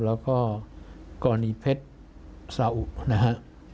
แล้วก็กรณีเพชรสาอุนะฮะ